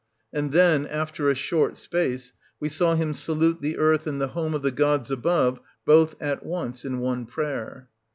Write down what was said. And then, after a short space, we saw him salute the earth and the home of the gods above, both at once, in one prayer.